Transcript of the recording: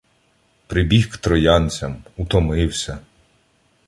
Прибіг к троянцям, утомився